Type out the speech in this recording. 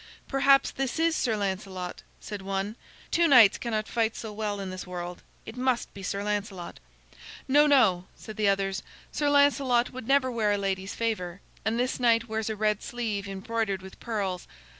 "Perhaps this is Sir Lancelot," said one. "Two knights cannot fight so well in this world. It must be Sir Lancelot." "No, no," said the others; "Sir Lancelot would never wear a lady's favor, and this knight wears a red sleeve embroidered with pearls.